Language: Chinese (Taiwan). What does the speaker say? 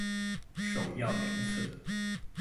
首要良策